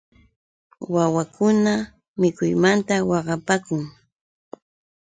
Wawakuna mikuymanta waqapaakun.